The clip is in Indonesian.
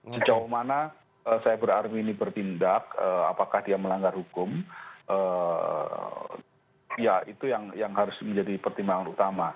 sejauh mana cyber army ini bertindak apakah dia melanggar hukum ya itu yang harus menjadi pertimbangan utama